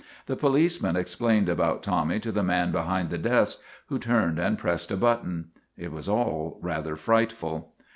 The policeman explained about Tommy to the man behind the desk who turned and pressed a button. It was all rather frightful.